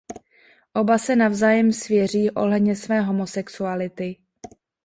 Oba se navzájem svěří ohledně své homosexuality.